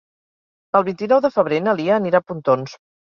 El vint-i-nou de febrer na Lia anirà a Pontons.